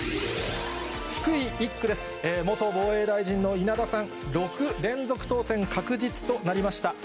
元防衛大臣の稲田さん、６連続当選確実となりました。